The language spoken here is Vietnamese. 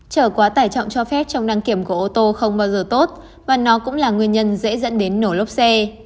trở quá tải trọng cho phép trong đăng kiểm của ô tô không bao giờ tốt và nó cũng là nguyên nhân dễ dẫn đến nổ lốp xe